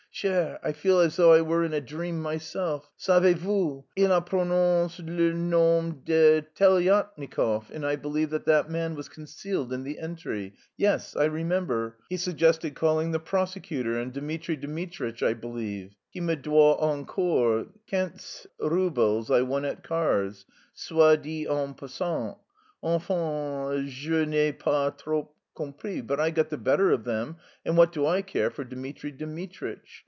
"Cher, I feel as though I were in a dream myself.... Savez vous! Il a prononcé le nom de Telyatnikof, and I believe that that man was concealed in the entry. Yes, I remember, he suggested calling the prosecutor and Dmitri Dmitritch, I believe... qui me doit encore quinze roubles I won at cards, soit dit en passant. Enfin, je n'ai pas trop compris. But I got the better of them, and what do I care for Dmitri Dmitritch?